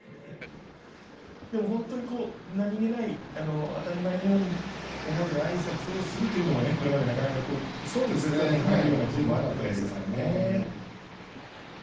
本当に何気ない当たり前のように思えるあいさつをするというのもこれまでなかなか直接はできない時期があったぐらいですからね。